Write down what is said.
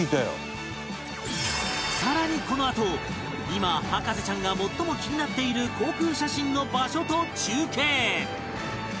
更にこのあと今博士ちゃんが最も気になっている航空写真の場所と中継！